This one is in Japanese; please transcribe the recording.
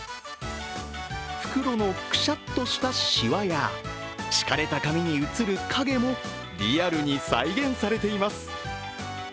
袋のクシャっとしたしわや、敷かれた紙にうつる影もリアルに再現されています。